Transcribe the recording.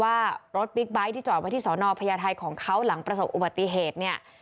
ว่ารถบิ๊กไบท์ที่จอดไว้ที่สอนอพญาไทยของเขาหลังประสบอุบัติเหตุเนี่ย